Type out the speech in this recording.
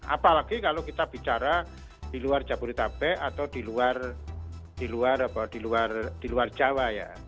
apalagi kalau kita bicara di luar jabodetabek atau di luar jawa ya